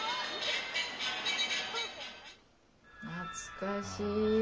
懐かしい。